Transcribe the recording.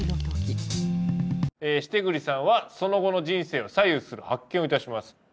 為栗さんはその後の人生を左右する発見を致します。